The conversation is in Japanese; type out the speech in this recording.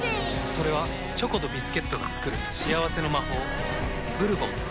それはチョコとビスケットが作る幸せの魔法キャンペーン中